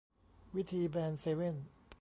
วิธีแบนเซเว่น